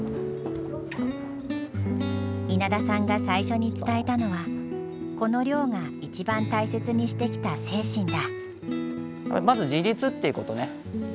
稲田さんが最初に伝えたのはこの寮が一番大切にしてきた精神だ。